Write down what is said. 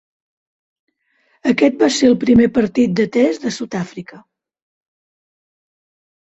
Aquest va ser el primer partit de Test de Sud-àfrica.